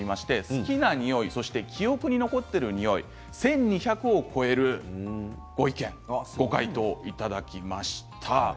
好きな匂い、記憶に残る匂い１２００を超えるご意見ご回答をいただきました。